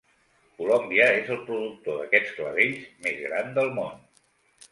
Colòmbia és el productor d'aquests clavells més gran del món.